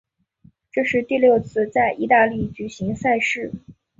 这是第六次在意大利举行赛事。